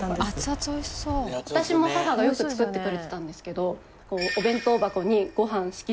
私も母がよく作ってくれてたんですけど。